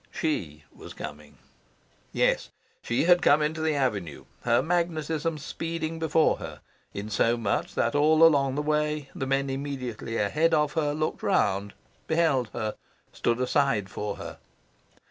SHE was coming. Yes, she had come into the avenue, her magnetism speeding before her, insomuch that all along the way the men immediately ahead of her looked round, beheld her, stood aside for her.